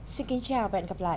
xin kính chào và hẹn gặp lại